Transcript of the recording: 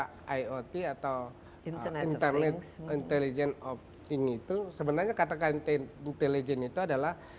tentang iot atau internet intelligence of thing itu sebenarnya katakan intelligent itu adalah